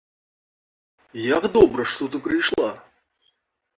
Як добра, што ты прыйшла.